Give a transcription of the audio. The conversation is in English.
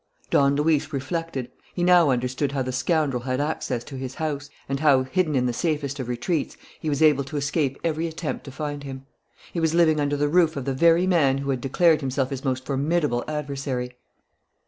Don Luis reflected. He now understood how the scoundrel had access to his house, and how, hidden in the safest of retreats, he was able to escape every attempt to find him. He was living under the roof of the very man who had declared himself his most formidable adversary.